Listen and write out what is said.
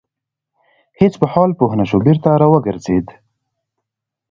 هیڅ په حال پوه نه شو بېرته را وګرځيده.